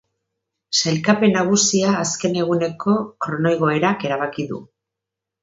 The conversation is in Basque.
Sailkapen nagusia azken eguneko kronoigoerak erabaki du.